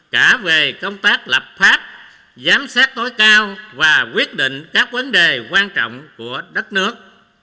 cả về công tác lập pháp giám sát tối cao và quyết định các vấn đề quan trọng của đất nước